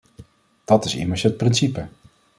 Dat is immers het principe.